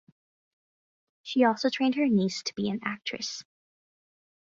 She also trained her niece to be an actress.